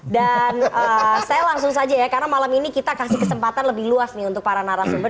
dan saya langsung saja ya karena malam ini kita kasih kesempatan lebih luas nih untuk para narasumber